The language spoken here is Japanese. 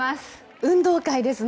運動会ですね。